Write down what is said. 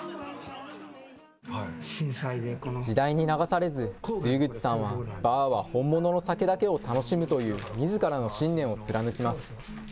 時代に流されず、露口さんはバーは本物の酒だけを楽しむというみずからの信念を貫きます。